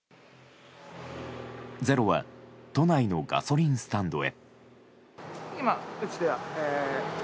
「ｚｅｒｏ」は都内のガソリンスタンドへ。